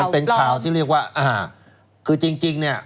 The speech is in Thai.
เป็นข่าวที่เรียกว่าคือจริงเนี่ย